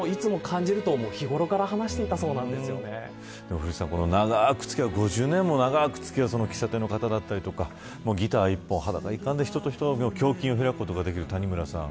古市さん、長い付き合い５０年も長く付き合った喫茶店の方だったりとかギター１本、裸一貫で胸襟を開くことができる谷村さん